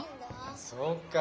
そうか。